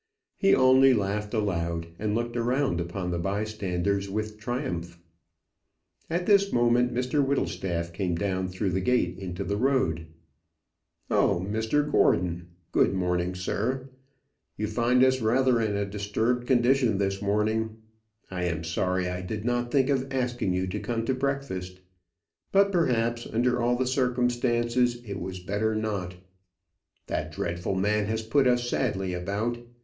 He only laughed aloud, and looked around upon the bystanders with triumph. At this moment Mr Whittlestaff came down through the gate into the road. "Oh, Mr Gordon! good morning, sir. You find us rather in a disturbed condition this morning. I am sorry I did not think of asking you to come to breakfast. But perhaps, under all the circumstances it was better not. That dreadful man has put us sadly about.